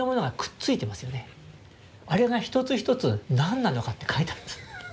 あれが一つ一つ何なのかって書いてあるんです。